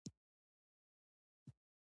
همیشه په ګرمۍ کې يخې شړومبۍ وڅښئ